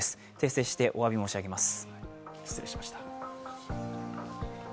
訂正しておわび申し上げます。